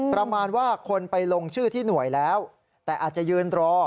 ประมาณว่าคนไปลงชื่อที่หน่วยแล้วแต่อาจจะยืนรอ